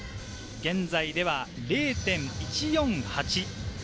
現在では０．１４８。